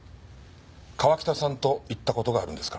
川喜多さんと行った事があるんですか？